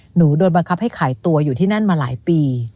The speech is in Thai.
โดนบังคับให้ขายตัวอยู่ที่นั่นมาหลายปี